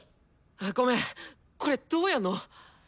ごめんこれどうやんの！？